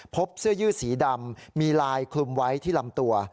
เสื้อยืดสีดำมีลายคลุมไว้ที่ลำตัว